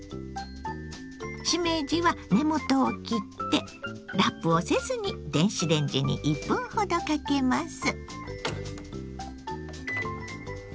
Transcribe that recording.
しめじは根元を切ってラップをせずに電子レンジに１分ほどかけます。